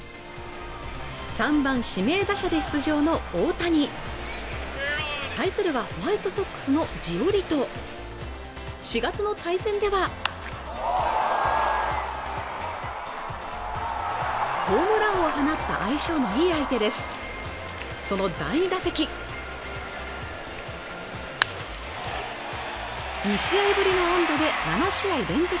３番指名打者で出場の大谷対するはホワイトソックスのジオリト４月の対戦ではホームランを放った相性のいい相手ですその第２打席２試合ぶりの安打で７試合連続